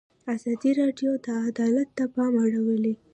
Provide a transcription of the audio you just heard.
ازادي راډیو د عدالت ته پام اړولی.